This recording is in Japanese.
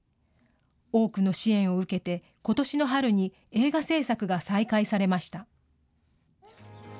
多くの支援を受けて、ことしの春に映画製作が再開されました。